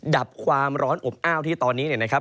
ดับความร้อนอบอ้าวที่ตอนนี้เนี่ยนะครับ